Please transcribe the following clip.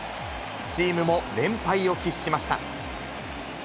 チームも連敗を喫しました。